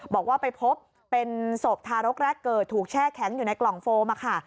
บอกว่าไปพบเป็นศพทารกแรกเกิดถูกแช่แข็งอยู่ในกล่องโฟมค่ะ